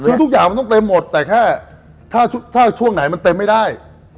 คือทุกอย่างมันต้องเต็มหมดแต่แค่ถ้าช่วงไหนมันเต็มไม่ได้